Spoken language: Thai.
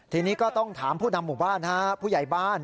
ทีนี้ก็ต้องถามผู้นำหมู่บ้านฮะผู้ใหญ่บ้าน